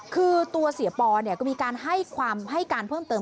คือตัวเสียปอเนี่ยก็มีการให้การเพิ่มเติม